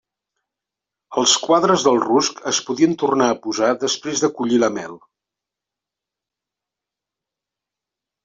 Els quadres del rusc es podien tornar a posar després de collir la mel.